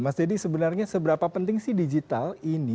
mas deddy sebenarnya seberapa penting sih digital ini